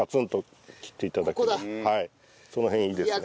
その辺いいですね。